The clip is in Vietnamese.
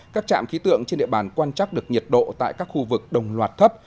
các trạm khí tượng trên địa bàn quan trắc được nhiệt độ tại các khu vực đồng loạt thấp